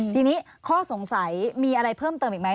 ทีนี้ข้อสงสัยมีอะไรเพิ่มเติมอีกไหม